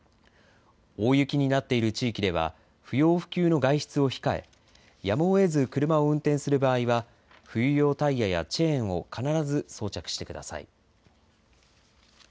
大雪になっている地域では、不要不急の外出を控え、やむをえず車を運転する場合は、冬用タイヤやチェーンを必ず装着してください。